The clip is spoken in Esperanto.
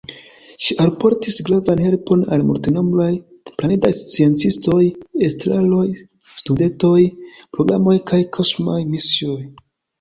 Ŝi alportis gravan helpon al multenombraj planedaj sciencistoj, estraroj, studentoj, programoj kaj kosmaj misioj.